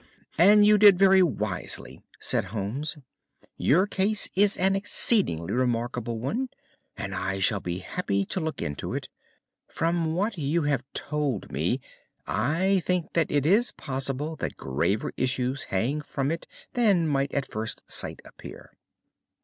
"And you did very wisely," said Holmes. "Your case is an exceedingly remarkable one, and I shall be happy to look into it. From what you have told me I think that it is possible that graver issues hang from it than might at first sight appear."